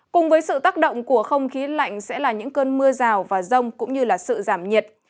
cùng với sự tác động của không khí lạnh sẽ là những cơn mưa rào và rông cũng như sự giảm nhiệt